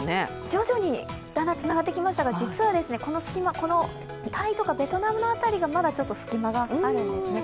徐々にだんだんつながってきましたが、このタイとかベトナムの辺りがまだ隙間があるんですね。